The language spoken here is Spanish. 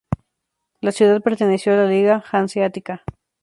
La ciudad perteneció a la Liga Hanseática.